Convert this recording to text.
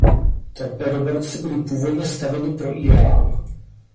Torpédoborce byly původně stavěny pro Írán.